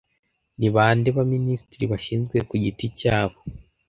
Ni bande ba Minisitiri bashinzwe kugiti cyabo